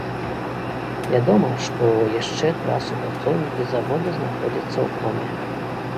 Вядома, што яшчэ два супрацоўнікі завода знаходзяцца ў коме.